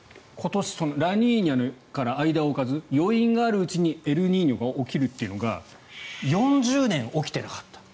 ラニーニャから間を置かず余韻があるうちにエルニーニョが起きるというのが４０年起きていなかった。